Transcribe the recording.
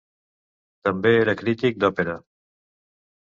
També era crític d'òpera.